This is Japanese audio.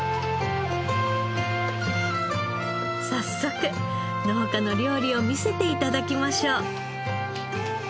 早速農家の料理を見せて頂きましょう。